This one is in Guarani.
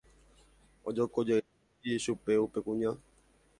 ojokojeýkuri chupe upe kuña